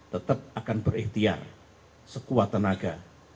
tetap akan berikhtiar sekuat tenaga